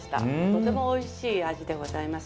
とても美味しいアジでございます